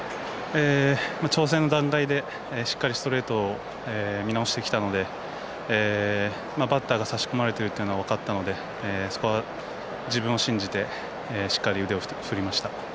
調整の段階でしっかりストレート見直してきたのでバッターが差し込まれてるっていうのは分かったので、そこは自分を信じてしっかり腕を振りました。